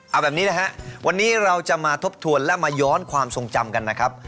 เอาแบบนี้นะฮะวันนี้เราจะมาทบทวนและมาย้อนความทรงจำกันนะครับ